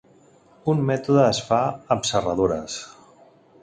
Un mètode es fa amb serradures.